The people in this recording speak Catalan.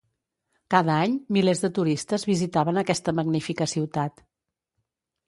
Cada any, milers de turistes visitaven aquesta magnífica ciutat.